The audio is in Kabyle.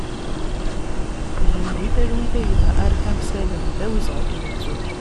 Gen di talwit a gma Arkam Salem, d awezɣi ad k-nettu!